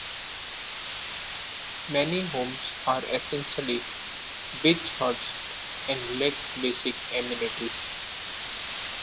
Many homes are essentially beach huts and lack basic amenities.